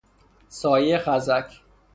سایه خزک